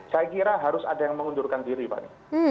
saya kira harus ada yang mengundurkan diri pak